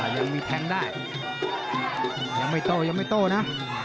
อ่ายังมีแทงได้ยังไม่โตนะ